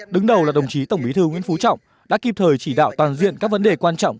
đứng đầu là đồng chí tổng bí thư nguyễn phú trọng đã kịp thời chỉ đạo toàn diện các vấn đề quan trọng